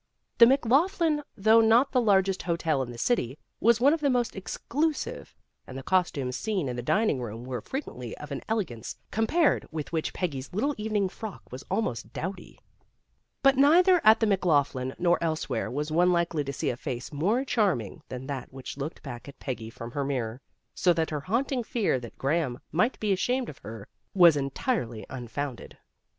The McLaughlin, though not the largest hotel in the city, was one of the most exclu sive, and the costumes seen in the dining room were frequently of an elegance compared with which Peggy's little evening frock was almost dowdy. But neither at the McLaughlin nor elsewhere was one likely to see a face more charming than that which looked back at Peggy from her mirror, so that her haunting fear that Graham might be ashamed of her was entirely unfounded.